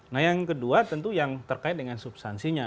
nah yang kedua tentu yang terkait dengan substansinya